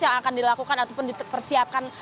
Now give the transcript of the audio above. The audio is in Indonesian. yang akan dilakukan ataupun dipersiapkan